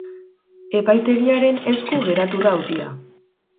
Epaitegiaren esku geratu da auzia.